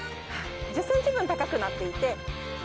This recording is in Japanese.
１０センチ分高くなっていて。